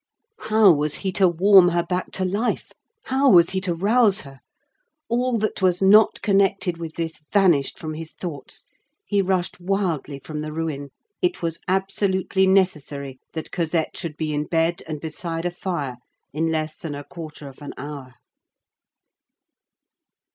How was he to warm her back to life? How was he to rouse her? All that was not connected with this vanished from his thoughts. He rushed wildly from the ruin. It was absolutely necessary that Cosette should be in bed and beside a fire in less than a quarter of an hour.